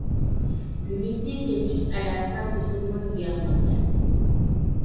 L'Unité s'est dissoute à la fin de Seconde Guerre mondiale.